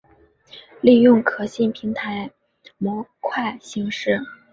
利用可信平台模块形式。